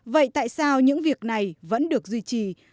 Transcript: vậy tại sao những việc này vẫn được duy trì